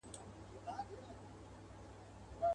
میاشتي کلونه زمانه به ستا وي.